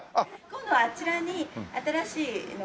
今度はあちらに新しいのを。